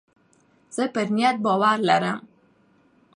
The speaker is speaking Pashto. زه پر نیت باور لرم.